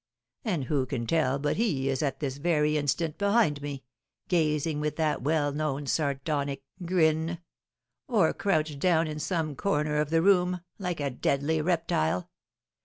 And who can tell but he is at this very instant behind me, gazing with that well known sardonic grin; or crouched down in some corner of the room, like a deadly reptile!